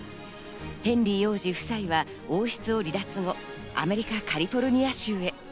ヘンリー王子夫妻は王室を離脱後、アメリカ・カリフォルニア州へ。